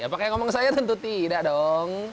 apakah yang ngomong saya tentu tidak dong